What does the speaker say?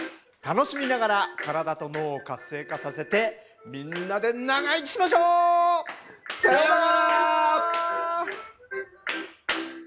楽しみながら体と脳を活性化させてみんなで長生きしましょう！さよなら！